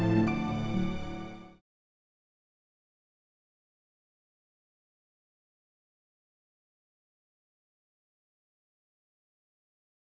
tapi suami itu